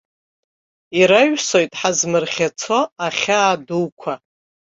Ираҩсуеит ҳазмырӷьацо ахьаа дуқәа.